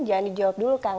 jangan di jawab dulu kang